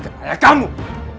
kalo dia bisa menunggu keluarga